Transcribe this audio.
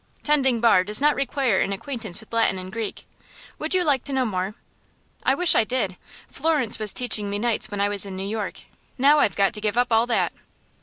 "Tending bar does not require an acquaintance with Latin and Greek. Would you like to know more?" "I wish I did. Florence was teaching me nights when I was in New York. Now I've got to give up all that."